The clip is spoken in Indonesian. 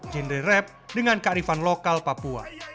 genre rap dengan kearifan lokal papua